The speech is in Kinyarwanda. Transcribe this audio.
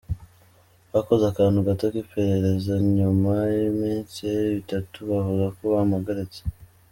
Bakoze akantu gato k’iperereza nyuma y’iminsi itatu bavuga ko bampagaritse.